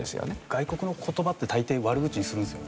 外国の言葉って大抵悪口にするんですよ。